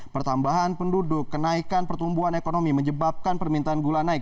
pertambahan penduduk kenaikan pertumbuhan ekonomi menyebabkan permintaan gula naik